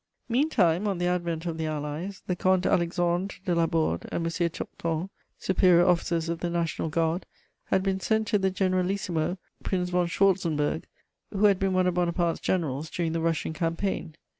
Meantime, on the advent of the Allies, the Comte Alexandre de Laborde and M. Tourton, superior officers of the National Guard, had been sent to the Generalissimo, Prince von Schwarzenberg, who had been one of Bonaparte's generals during the Russian campaign.